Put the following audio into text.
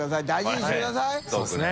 そうですね。